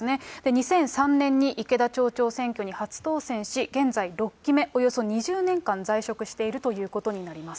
２００３年に池田町長選挙に初当選し、現在６期目、およそ２０年間在職しているということになります。